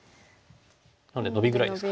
なんでノビぐらいですか。